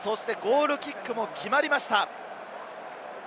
そしてゴールキックも決まりました。